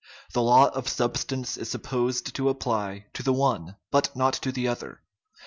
The law of substance is sup posed to apply to the one, but not to the other.